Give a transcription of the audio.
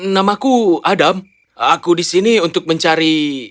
namaku adam aku di sini untuk mencari